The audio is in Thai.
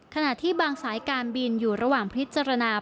ขณะที่บางสายการบินอยู่ระหว่างพิจารณา